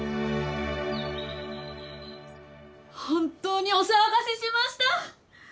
本当にお騒がせしました。